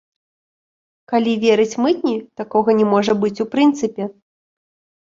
Калі верыць мытні, такога не можа быць у прынцыпе.